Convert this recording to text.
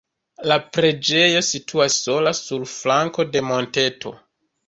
La preĝejo situas sola sur flanko de monteto.